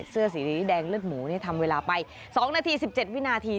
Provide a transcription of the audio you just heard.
เสื้อสีแดงเลือดหมูนี่ทำเวลาไป๒นาที๑๗วินาที